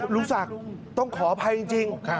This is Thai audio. ลุงศักดิ์ต้องขออภัยจริง